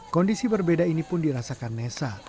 kondisi berbeda ini pun dirasakan nesa